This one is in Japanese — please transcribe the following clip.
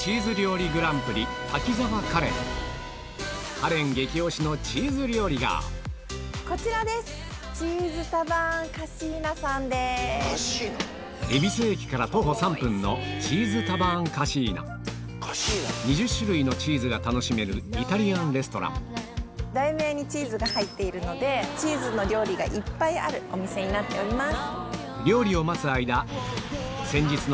カレン激推しのチーズ料理が恵比寿駅から徒歩３分イタリアンレストラン題名にチーズが入っているのでチーズの料理がいっぱいあるお店になっております。